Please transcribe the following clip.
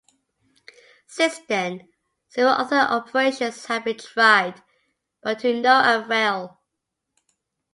Since then, several other operations have been tried, but to no avail.